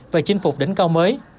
để chinh phục đỉnh cao mới